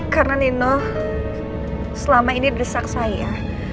karena nino selama ini deresak saya